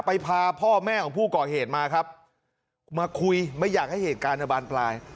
พาพ่อแม่ของผู้ก่อเหตุมาครับมาคุยไม่อยากให้เหตุการณ์บานปลาย